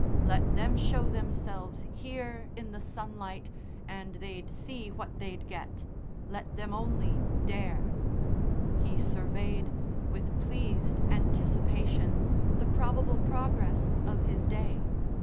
Let them show themselves here in the sunlight, and they'd see what they'd get. Let them only dare! He surveyed, with pleased anticipation, the probable progress of his day.